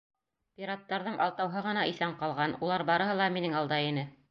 Пираттарҙың алтауһы ғына иҫән ҡалған, улар барыһы ла минең алда ине.